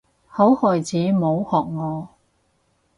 好孩子唔好學我